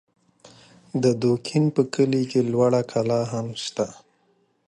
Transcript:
د دوکین په کلي کې لوړه کلا هم سته